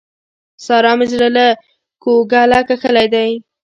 سارا مې زړه له کوګله کښلی دی.